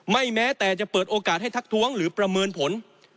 แม้แต่จะเปิดโอกาสให้ทักท้วงหรือประเมินผล